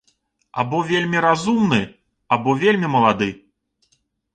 Або вельмі разумны, або вельмі малады.